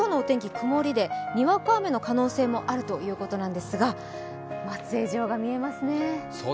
曇りでにわか雨の可能性もあるということですが松江城が見えますね。